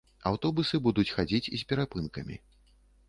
Аўтобусы будуць хадзіць з перапынкамі.